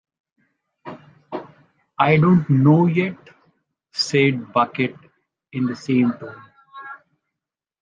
"I don't know yet," said Bucket in the same tone.